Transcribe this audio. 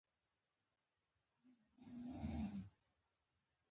مکنیه استعاره هغه ده، چي مستعارله پکښي ذکر يي.